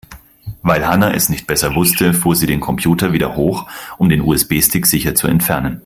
Weil Hanna es nicht besser wusste, fuhr sie den Computer wieder hoch, um den USB-Stick sicher zu entfernen.